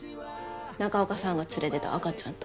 中岡さんが連れてた赤ちゃんと。